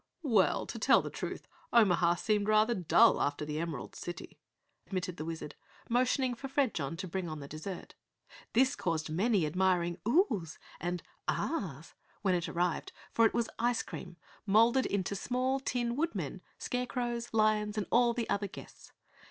"Well, to tell the truth, Omaha seemed rather dull after the Emerald City," admitted the Wizard, motioning for Fredjon to bring on the dessert. This caused many admiring "Oh's" and "Ah's" when it arrived, for it was ice cream moulded into small Tin Woodmen, Scarecrows, Lions and all the other guests.